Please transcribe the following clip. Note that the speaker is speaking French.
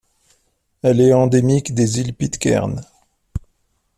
Elle est endémique des Îles Pitcairn.